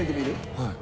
はい。